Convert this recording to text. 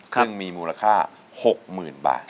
ซึ่งมีมูลค่า๖๐๐๐บาท